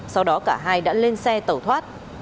sau đó cả hai đã lên xe tẩu thoát